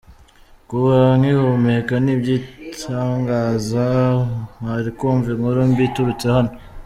Kuba ngihumeka ni iby’igitangaza, mwari kumva inkuru mbi iturutse hano.